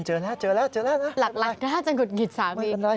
จังลักษณะจะงดหงิดสามี